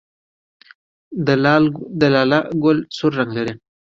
د لاله ګل سور رنګ لري